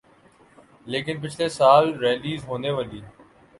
لیکن پچھلے سال ریلیز ہونے والی